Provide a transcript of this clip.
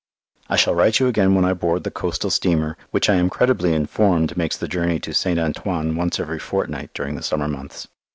I shall write you again when I board the coastal steamer, which I am credibly informed makes the journey to St. Antoine once every fortnight during the summer months.